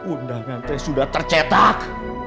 undangan t sudah tercetak